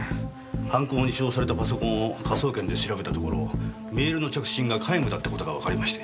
犯行に使用されたパソコンを科捜研で調べたところメールの着信が皆無だった事がわかりまして。